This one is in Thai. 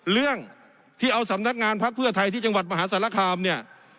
เรื่องที่เอาสำนักงานพักเพื่อไทยที่จังหวัดมหาสารคามเนี่ย